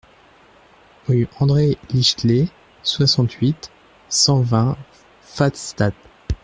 Rue André Lichtlé, soixante-huit, cent vingt Pfastatt